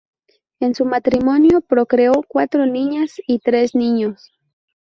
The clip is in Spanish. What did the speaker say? En su matrimonio procreó cuatro niñas y tres niños.